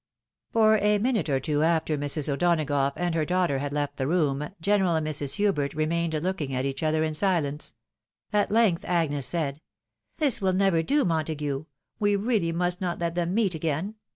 «For a minute or two after Mrs. O'Donagough and her daughter had left the room. General and Mrs. Hubert remained looking at each other in silence. At length Agnes said, " This will never do, Montague ! We really ravist not let them meet again.